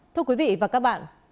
thưa quý vị và các bạn